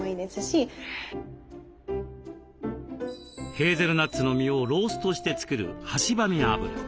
ヘーゼルナッツの実をローストして作るはしばみ油。